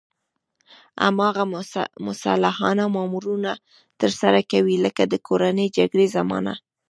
هماغه مسلحانه مانورونه ترسره کوي لکه د کورنۍ جګړې زمانه.